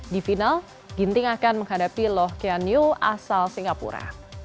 di final ginting akan menghadapi loh kian yu asal singapura